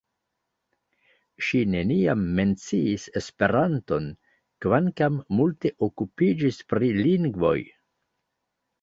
Ŝi neniam menciis Esperanton, kvankam multe okupiĝis pri lingvoj.